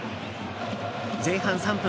前半３分。